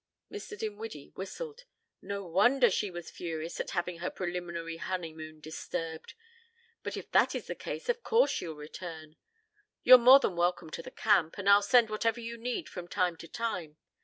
Mr. Dinwiddie whistled. "No wonder she was furious at having her preliminary honeymoon disturbed. But if that is the case of course she'll return. You're more than welcome to the camp, and I'll send whatever you need from time to time.